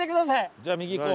じゃあ右行こう。